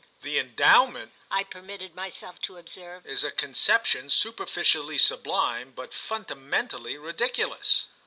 "The Endowment," I permitted myself to observe, "is a conception superficially sublime, but fundamentally ridiculous."